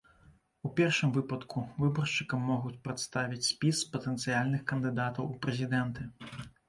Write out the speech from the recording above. У першым выпадку, выбаршчыкам могуць прадставіць спіс патэнцыяльных кандыдатаў у прэзідэнты.